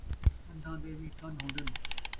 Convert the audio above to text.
کن٘دھاں دے وی کن ہون٘دن